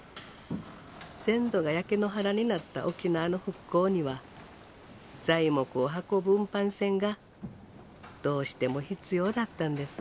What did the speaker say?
全土が焼け野原になった沖縄の復興には材木を運ぶ運搬船がどうしても必要だったんです。